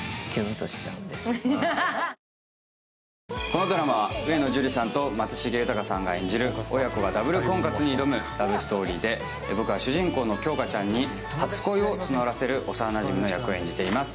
このドラマの上野樹里さんと松重豊さんが演じる親子がダブル婚活に挑むラブストーリーで、僕は主人公の杏花ちゃんに初恋を募らせる幼なじみの役を演じています。